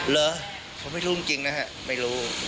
เหรอผมไม่รู้จริงนะฮะไม่รู้